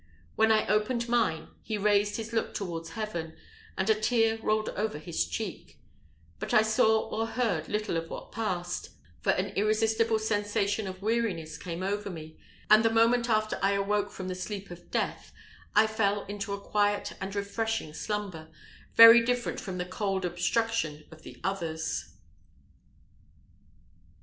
When I opened mine, he raised his look towards heaven, and a tear rolled over his cheek; but I saw or heard little of what passed, for an irresistible sensation of weariness came over me; and the moment after I awoke from the sleep of death, I fell into a quiet and refreshing slumber, very different from the "cold obstruction" of the others.